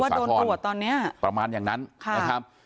เพราะว่าโดนตรวจตอนนี้ประมาณอย่างนั้นนะครับ